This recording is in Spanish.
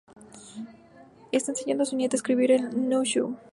Está enseñando a su nieta a escribir en nü shu.